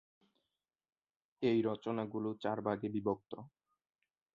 এই রচনা গুলো চার ভাগে বিভক্ত।